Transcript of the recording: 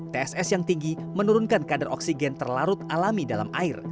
tss yang tinggi menurunkan kadar oksigen terlarut alami dalam air